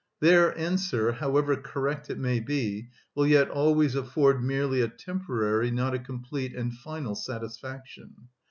Their answer, however correct it may be, will yet always afford merely a temporary, not a complete and final, satisfaction.